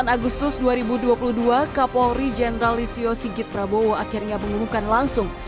sembilan agustus dua ribu dua puluh dua kapolri jenderal listio sigit prabowo akhirnya mengumumkan langsung